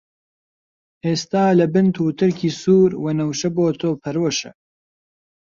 ئێستا لە بن «توتڕکی» سوور، وەنەوشە بۆ تۆ پەرۆشە!